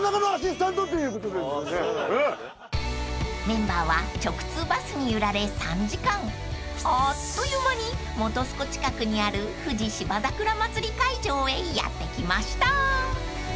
［メンバーは直通バスに揺られ３時間あっという間に本栖湖近くにある富士芝桜まつり会場へやって来ました］